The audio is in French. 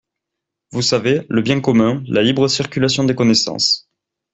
Vous savez, le bien commun, la libre circulation des connaissances.